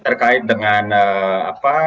terkait dengan apa